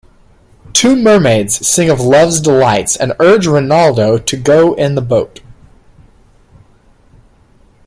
Two mermaids sing of love's delights, and urge Rinaldo to go in the boat.